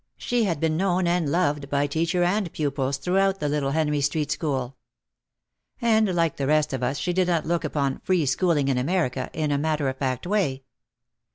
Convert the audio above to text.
She had been known and loved by teacher and pupils throughout the little Henry Street school. And like the rest of us she did not look upon "free schooling in Amer ica" in a matter of fact way.